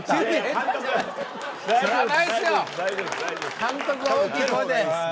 監督が大きい声で。